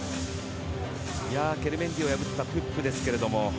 ケルメンディを破ったプップですけども。